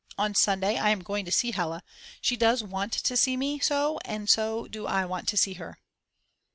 On Sunday I am going to see Hella. She does want to see me so and so do I want to see her.